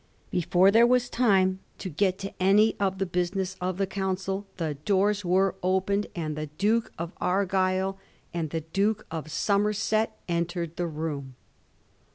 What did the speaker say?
Before there was time to get to any of the business of the Council the doors were opened, and the Duke of Argyll and the Duke of Somerset entered the room.